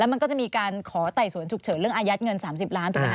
มันก็จะมีการขอไต่สวนฉุกเฉินเรื่องอายัดเงิน๓๐ล้านถูกไหมค